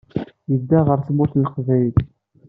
Yedda ɣer Tmurt n Leqbayel.